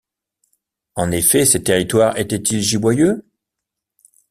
En effet, ces territoires étaient-ils giboyeux?